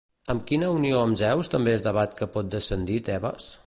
De quina unió amb Zeus també es debat que pot descendir Tebes?